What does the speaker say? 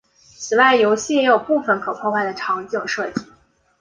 此外游戏也有部分可破坏的场景设计。